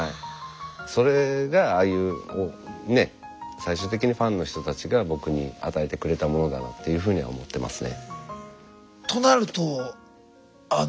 最終的にファンの人たちが僕に与えてくれたものだなっていうふうには思ってますね。